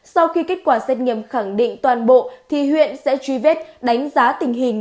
sau khi kết quả xét nghiệm khẳng định toàn bộ huyện sẽ truy vết đánh giá tình hình